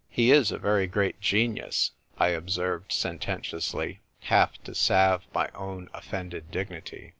" He is a very great genius," I observed, sententiously, half to salve my own offended dignity.